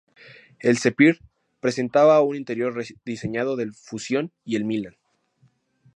El Zephyr presentaba un interior rediseñado del Fusion y el Milan.